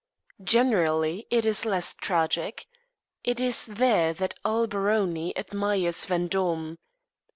Generally it is less tragic. It is there that Alberoni admires Vendôme.